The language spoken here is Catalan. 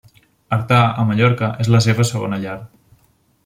Artà, a Mallorca, és la seva segona llar.